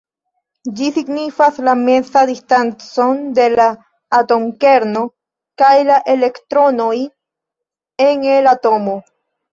Ĝi signifas la mezan distancon de la atomkerno kaj la elektronoj en la atomo.